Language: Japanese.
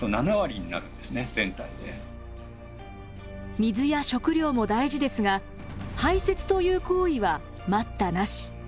水や食料も大事ですが排せつという行為は待ったなし。